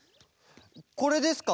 これですか？